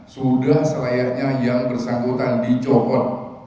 sudah selayaknya yang bersangkutan dicopot